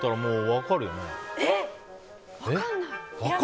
分かんない。